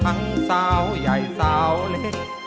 ทั้งสาวใหญ่สาวเล็ก